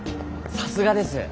さすがです。